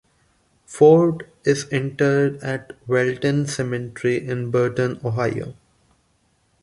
Ford is interred at Welton Cemetery in Burton, Ohio.